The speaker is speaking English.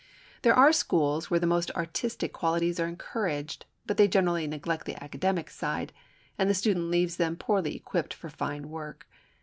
There are schools where the most artistic qualities are encouraged, but they generally neglect the academic side; and the student leaves them poorly equipped for fine work.